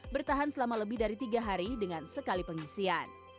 bertahan selama lebih dari tiga hari dengan sekali pengisian